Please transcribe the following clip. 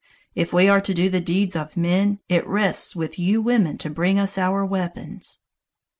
If we are to do the deeds of men, it rests with you women to bring us our weapons."